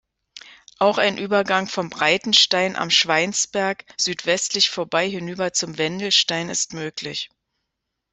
Auch ein Übergang vom Breitenstein am Schweinsberg südwestlich vorbei hinüber zum Wendelstein ist möglich.